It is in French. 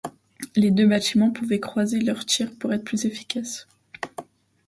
Les deux bâtiments pouvaient croiser leurs tirs pour être plus efficace.